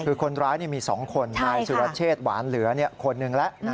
คือคนร้ายมี๒คนนายสุรเชษหวานเหลือคนหนึ่งแล้ว